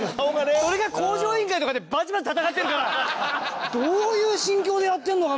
それが『向上委員会』とかでバチバチ戦ってるからどういう心境でやってるのかな？